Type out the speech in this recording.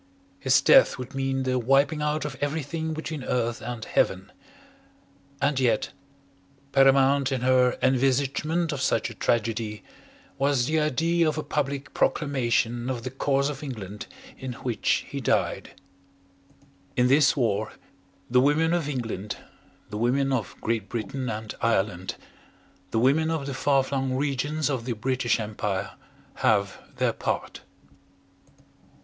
His death would mean the wiping out of everything between Earth and Heaven. And yet, paramount in her envisagement of such a tragedy was the idea of a public proclamation of the cause of England in which he died. In this war the women of England the women of Great Britain and Ireland the women of the far flung regions of the British Empire, have their part.